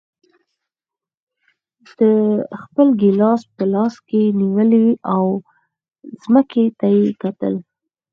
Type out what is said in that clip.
ده خپل ګیلاس په لاس کې نیولی و او ځمکې ته یې کتل.